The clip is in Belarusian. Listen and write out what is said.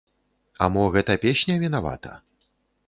А мо гэта песня вінавата?